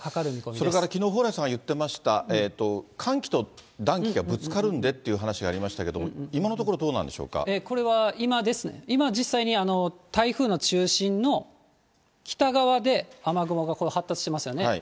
それからきのう蓬莱さんが言ってました、寒気と暖気がぶつかるんでっていう話がありましたけれども、今のこれは今、実際に台風の中心の北側で雨雲が発達してますよね。